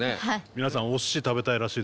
皆さんお寿司食べたいらしいです。